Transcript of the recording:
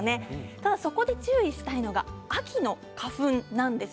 ただそこで注意したいのが秋の花粉症なんです。